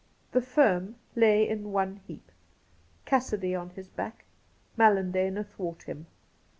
' The firm ' lay in one heap — ^Cassidy on his back, Mallandane athwart him.